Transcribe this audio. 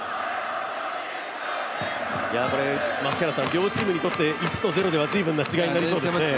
両チームにとって１と０では大きな違いになりそうです。